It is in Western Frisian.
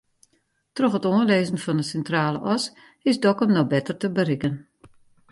Troch it oanlizzen fan de Sintrale As is Dokkum no better te berikken.